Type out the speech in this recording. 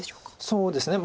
そうですね。